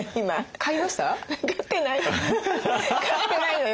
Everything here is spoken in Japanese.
買ってないのよ。